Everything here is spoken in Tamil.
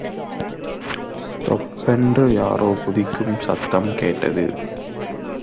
தொப்பென்று யாரோ குதிக்கும் சத்தம் கேட்டது.